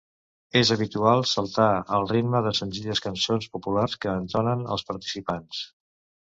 És habitual saltar al ritme de senzilles cançons populars que entonen els participants.